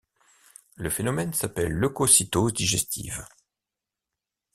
Le phénomène s'appelle leucocytose digestive.